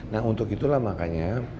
nah untuk itulah makanya